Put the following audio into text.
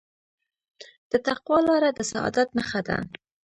د تقوی لاره د سعادت نښه ده.